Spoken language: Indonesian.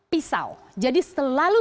pisau jadi selalu